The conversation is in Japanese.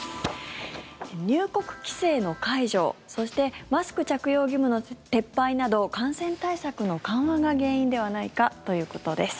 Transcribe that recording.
入国規制の解除そしてマスク着用義務の撤廃など感染対策の緩和が原因ではないかということです。